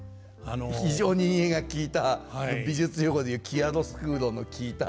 非常に陰影が効いた美術用語でいうキアロスクーロの効いた。